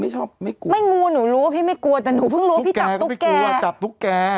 ไม่กลัวนูรู้ว่าพี่ไม่กลัวแต่หนูไม่รู้ว่าพี่จับตุ๊กแก